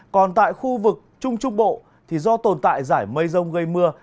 còn tại khu vực trung trung bộ thì do tồn tại giải mây rông gây mưa